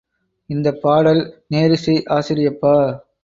இந்தப் பாடல் நேரிசை ஆசிரியப்பா.